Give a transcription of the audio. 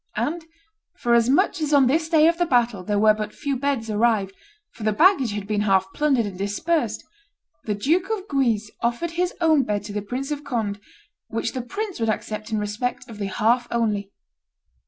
And forasmuch as on this day of the battle there were but few beds arrived, for the baggage had been half plundered and dispersed, the Duke of Guise offered his own bed to the Prince of Conde, which the prince would accept in respect of the half only.